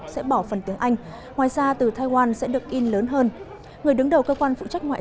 sẽ bỏ phần tiếng anh ngoài ra từ thaiwan sẽ được in lớn hơn người đứng đầu cơ quan phụ trách ngoại